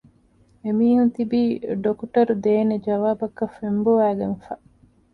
އެމީހުން ތިބީ ޑޮކުޓަރު ދޭނެ ޖަވާބަކަށް ފެންބޮވައިގެން ފަ